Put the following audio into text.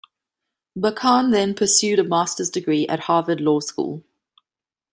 Bakan then pursued a master's degree at Harvard Law School.